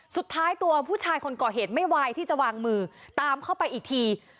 สุดท้ายตัวผู้ชายคนก่อเหตุไม่ไหวที่จะวางมือตามเข้าไปอีกที